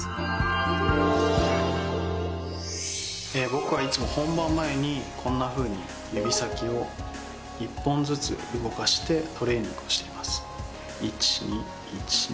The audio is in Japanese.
僕はいつも本番前にこんなふうに指先を１本ずつ動かしてトレーニングをしています。